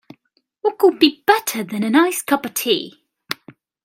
What could be better than a nice cup of tea?